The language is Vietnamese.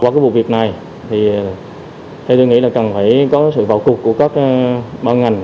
qua cái bộ việc này thì tôi nghĩ là cần phải có sự vào cục của các bộ ngành